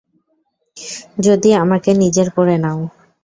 যদি আমাকে নিজের করে নাও।